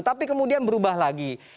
tapi kemudian berubah lagi